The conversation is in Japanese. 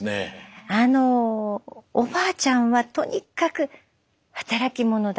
あのおばあちゃんはとにかく働き者だった。